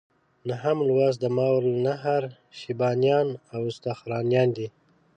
نهم لوست د ماوراء النهر شیبانیان او استرخانیان دي.